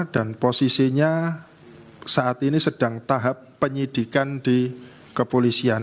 dan posisinya saat ini sedang tahap penyidikan di kepolisian